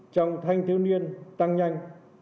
trong thanh thiếu niên tăng nhanh